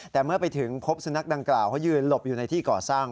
แต่เมื่อไปถึงพบสุนัขดังกล่าวเขายืนหลบอยู่ในที่ก่อสร้าง